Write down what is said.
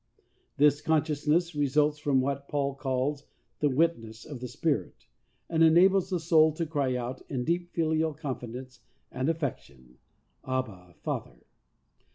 This consciousness re sults from what Paul calls "the witness of the Spirit," and enables the soul to cry out in deep filial confidence and affection, "Abba Father."